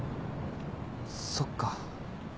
そっか。